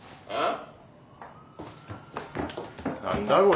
ああ。